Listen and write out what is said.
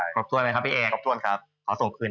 ขอบคุณไหมครับพี่เอก